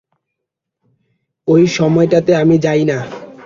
ঐ সময়টাতে আমি যাই না।